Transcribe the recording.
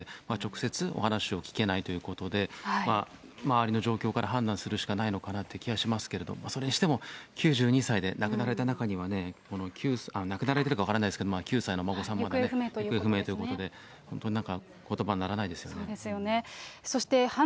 ただこのね、遺体がこの妻の母のお兄さんだとすると、もう亡くなられてるので、直接、お話を聞けないということで、周りの状況から判断するしかないのかなっていう気はしますけれども、それにしても、９２歳で、亡くなられた中には、亡くなられたか分からないですけれども、９歳のお孫さんまで行方不明ということで、本当にことばにならなそうですよね。